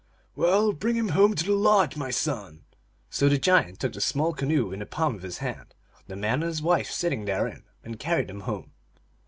"Well, bring him home to the lodge, my son !" So the giant took the small canoe in the palm of his hand, the man and his wife sitting therein, and carried them home.